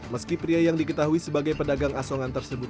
meski pria yang diketahui sebagai pedagang asongan tersebut